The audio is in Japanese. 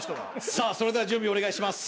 さあそれでは準備をお願いします